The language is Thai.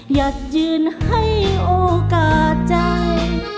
อยากยืนให้โอกาสใจ